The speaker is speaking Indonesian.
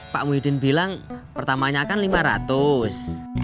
pak muhyiddin bilang pertamanya kan lima ratus